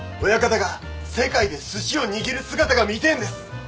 親方が世界ですしを握る姿が見てえんです！